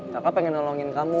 kakak pengen nolongin kamu